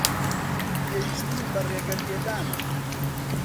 پێویستیم بە ڕێگەپێدانە.